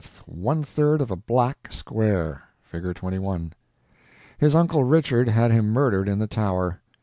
one third of a _black _square. (Fig. 21.) His uncle Richard had him murdered in the tower.